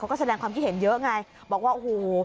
เขาก็แสดงความที่เห็นเยอะไงบอกว่าหู